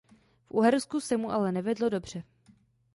V Uhersku se mu ale nevedlo dobře.